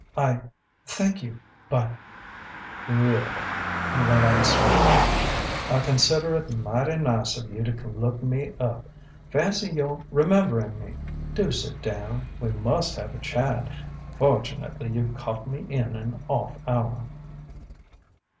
"I thank you but " "Really," he went on smoothly, "I consider it mighty nice of you to look me up. Fancy your remembering me! Do sit down. We must have a chat. Fortunately, you've caught me in an off hour."